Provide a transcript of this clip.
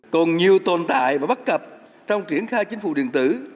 còn nhiều tồn tại và bất cập trong triển khai chính phủ điện tử